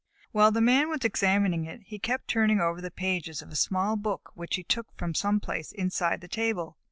While the Man was examining it, he kept turning over the pages of a small book which he took from some place inside the table.